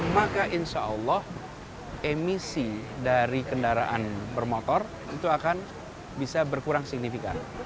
maka insya allah emisi dari kendaraan bermotor itu akan bisa berkurang signifikan